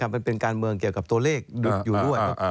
มันเป็นการเมืองเกี่ยวกับตัวเลขดุดอยู่ด้วย